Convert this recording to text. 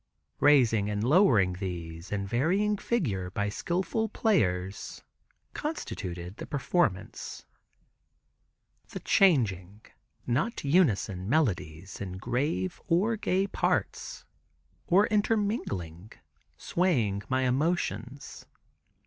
Raising and lowering these in varying figure by skilful players constituted the performance. The changing (not unison) melodies in grave or gay parts, or intermingling, swaying my emotions.